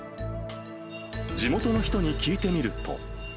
地元の人に聞いてみると。